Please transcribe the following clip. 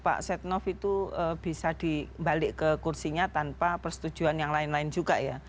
mbak setnoff itu bisa di balik ke kursinya tanpa persetujuan yang lain lain juga ya